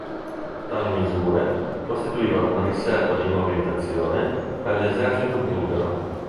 Tali misure costituivano una riserva di mobilitazione per l'esercito bulgaro.